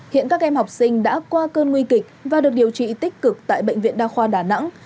hiện các em học sinh đã qua cơn nguy kịch và được điều trị tích cực tại bệnh viện đa khoa đà nẵng